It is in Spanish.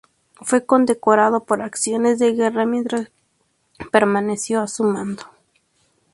Fue condecorado por acciones de guerra mientras permaneció a su mando.